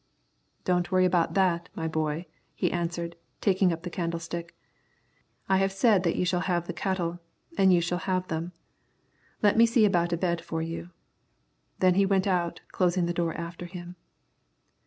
"Don't worry about that, my boy," he answered, taking up the candlestick, "I have said that you shall have the cattle, and you shall have them. Let me see about a bed for you." Then he went out, closing the door after him.